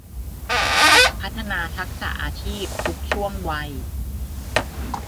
พัฒนาทักษะอาชีพทุกช่วงวัย